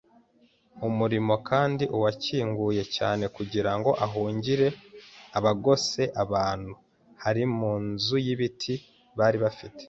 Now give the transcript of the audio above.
umurimo kandi urakinguye cyane kugirango uhungire abagose. Abantu bari mu nzu y'ibiti bari bafite